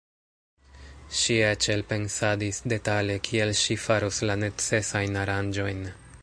Ŝi eĉ elpensadis detale kiel ŝi faros la necesajn aranĝojn.